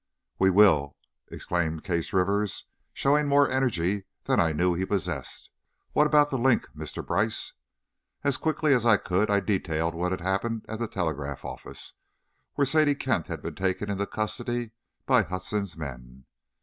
"We will!" exclaimed Case Rivers, showing more energy than I knew he possessed. "What about 'The Link,' Mr. Brice?" As quickly as I could, I detailed what had happened at the telegraph office, where Sadie Kent had been taken into custody by Hudson's men.